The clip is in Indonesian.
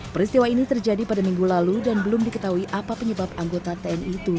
peristiwa ini terjadi pada minggu lalu dan belum diketahui apa penyebab anggota tni itu